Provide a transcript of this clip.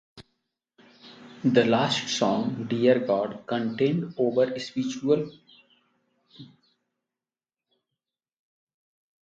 The last song "Dear God" contained overt spiritual connotations.